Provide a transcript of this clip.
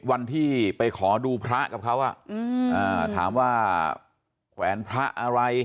วันที่ไปขอดูพระกับเขาถามว่าแขวนพระอะไร